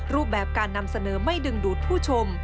รูปแบบการนำเสนอไม่ดึงดูดผู้ชม